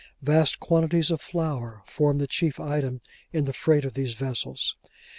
Vast quantities of flour form the chief item in the freight of these vessels.